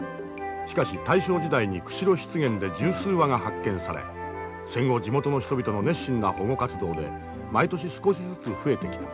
しかし大正時代に釧路湿原で十数羽が発見され戦後地元の人々の熱心な保護活動で毎年少しずつ増えてきた。